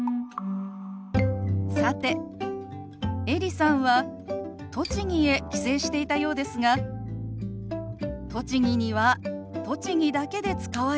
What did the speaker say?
さてエリさんは栃木へ帰省していたようですが栃木には栃木だけで使われる手話